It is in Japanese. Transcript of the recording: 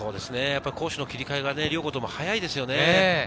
攻守の切り替えが両校とも速いですね。